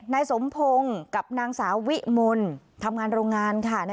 นายสมพงศ์กับนางสาวิมนต์ทำงานโรงงานค่ะเนี่ย